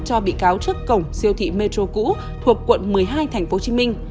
cho bị cáo trước cổng siêu thị metro cũ thuộc quận một mươi hai tp hcm